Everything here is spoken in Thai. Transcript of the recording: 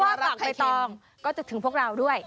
เพราะว่าฝากใบทองก็จะถึงพวกเราด้วย